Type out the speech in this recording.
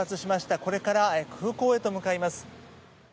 これから空港へと向かいます。